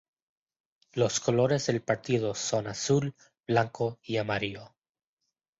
Los colores del partido son azul, blanco y amarillo.